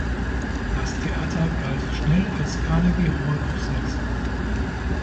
Das Theater galt schnell als "Carnegie Hall of Sex".